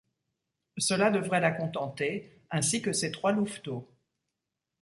Cela devrait la contenter, ainsi que ses trois louveteaux.